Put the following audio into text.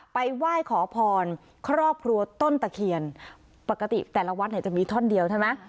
ไปไหว้ขอพรครอบครัวต้นตะเคียนปกติแต่ละวัดเนี่ยจะมีท่อนเดียวใช่ไหม